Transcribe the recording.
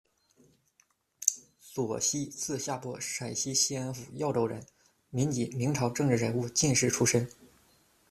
左熈，字夏伯，陕西西安府耀州人，民籍，明朝政治人物、进士出身。